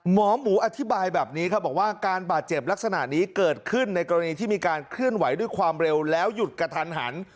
หมอหมูอธิบายแบบนี้ครับบอกว่าการบาดเจ็บลักษณะนี้เกิดขึ้นในกรณีที่มีการเคลื่อนไหวด้วยความเร็วแล้วหยุดกระทันหัน